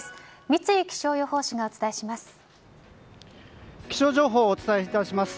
三井気象予報士がお伝えします。